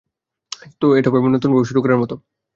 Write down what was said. তো এটা হবে আবার নতুনভাবে শুরু করার মতো।